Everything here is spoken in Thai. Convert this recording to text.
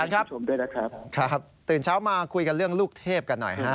ครับอาจารย์ครับตื่นเช้ามาคุยกันเรื่องลูกเทพกันหน่อยครับ